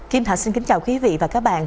kim thạch xin kính chào quý vị và các bạn